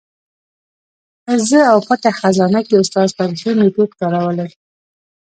زه او پټه خزانه کې استاد تاریخي میتود کارولی.